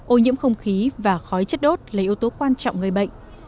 ô nhiễm không khí và khói chất đốt là yếu tố quan trọng gây bệnh